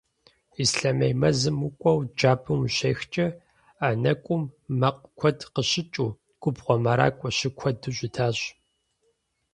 Ислъэмей мэзым укӏуэу джабэм ущехкӏэ, а нэкӏум мэкъу куэду къыщыкӏыу, губгъуэ мэракӏуэ щыкуэду щытащ.